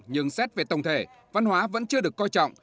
nhưng xét về tổng thể văn hóa vẫn chưa được coi trọng